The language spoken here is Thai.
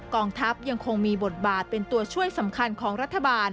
กองทัพยังคงมีบทบาทเป็นตัวช่วยสำคัญของรัฐบาล